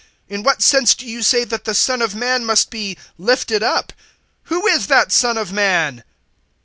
In what sense do you say that the Son of Man must be lifted up? Who is that Son of Man?"